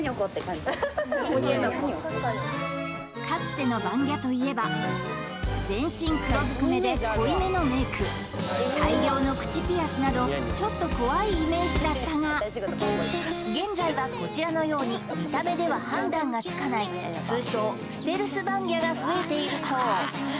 かつてのバンギャといえば全身黒ずくめで濃いめのメイク大量の口ピアスなどだったが現在はこちらのように見た目では判断がつかない通称ステルスバンギャが増えているそう